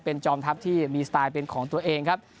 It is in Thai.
เป็นจอมทัพที่มีสไตล์เป็นของตัวเองครับ